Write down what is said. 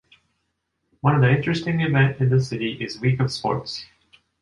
One of the interesting event in the city is Week of sports.